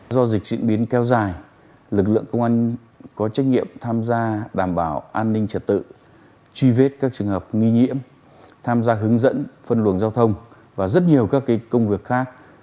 do dịch diễn biến kéo dài lực lượng công an có trách nhiệm tham gia đảm bảo an ninh trật tự truy vết các trường hợp nghi nhiễm tham gia hướng dẫn phân luồng giao thông và rất nhiều các công việc khác